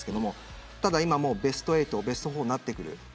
ただ、今はベスト８ベスト４になってくる。